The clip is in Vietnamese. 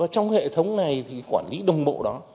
trong hệ thống này thì quản lý đồng bộ đó